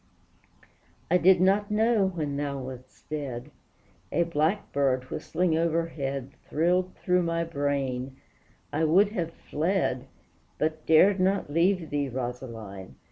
I did not know when thou wast dead; A blackbird whistling overhead Thrilled through my brain; I would have fled, But dared not leave thee, Rosaline!